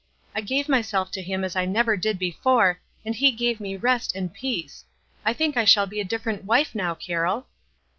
I gave my self to him as I never did before, and he gave me rest and peace. I think I shall be a differ ent wife now, Carroll."